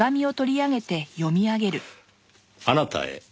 「あなたへ」